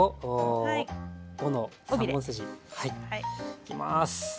いきます。